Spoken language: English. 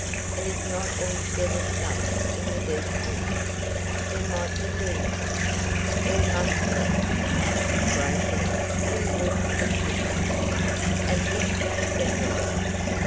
"It is not altogether safe in the deep woods. There might be lunatics " "Or muskrat traps," groaned Ned, who walked with difficulty. At this they separated.